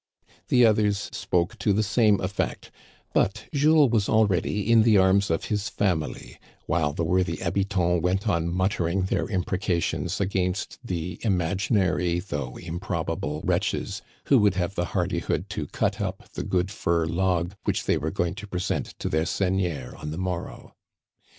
The others spoke to the same effect, but Jules was already in the arras of his family, while the worthy habitants went on muttering their imprecations against the imaginary, though improbable, wretches who would have the hardihood to cut up the good fir log which they were going to present to their seigneur on the mor row.